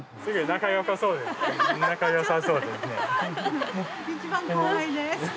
仲よさそうですね。